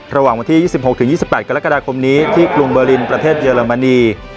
ระหว่างวันที่๒๖๒๘กรกฎาคมนี้ที่กรุงเบอร์ลินประเทศเยอรมนี